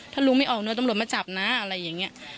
ถ้าลุงไม่ออกเนี่ยตำรวจมาจับนะอะไรอย่างนี้